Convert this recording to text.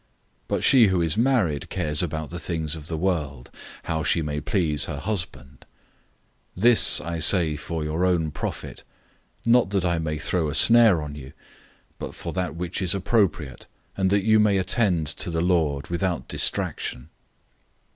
But she who is married cares about the things of the world how she may please her husband. 007:035 This I say for your own profit; not that I may ensnare you, but for that which is appropriate, and that you may attend to the Lord without distraction.